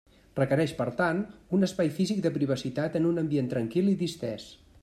Requereix per tant, un espai físic de privacitat en un ambient tranquil i distès.